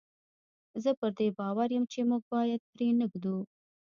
زه پر دې باور یم چې موږ باید پرې نه ږدو.